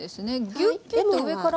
ぎゅっぎゅっと上から。